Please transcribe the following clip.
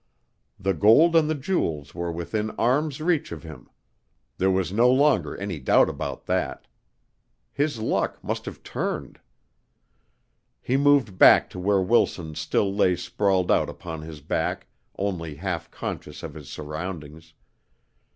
The gold and the jewels were within arms' reach of him there was no longer any doubt about that. His luck must have turned. He moved back to where Wilson still lay sprawled out upon his back only half conscious of his surroundings.